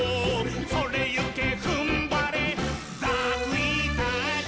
「それゆけふんばれダークイーターズ」「」